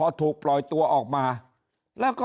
ถ้าท่านผู้ชมติดตามข่าวสาร